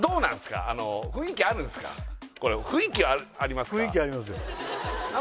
そのこれ雰囲気ありますか？